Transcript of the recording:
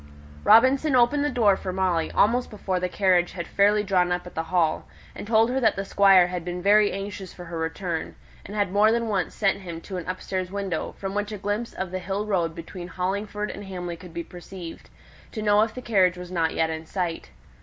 Robinson opened the door for Molly almost before the carriage had fairly drawn up at the Hall, and told her that the Squire had been very anxious for her return, and had more than once sent him to an upstairs window, from which a glimpse of the hill road between Hollingford and Hamley could be caught, to know if the carriage was not yet in sight.